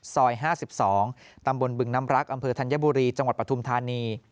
ซอย๕๒ตำบลบึงน้ำรักอำเภอธัญบุรีจังหวัดปฐุมธานี